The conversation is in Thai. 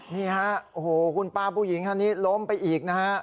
นี่ฮะโอ้โหคุณป้าผู้หญิงคันนี้ล้มไปอีกนะฮะ